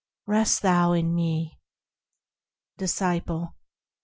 Rest thou in me. Disciple.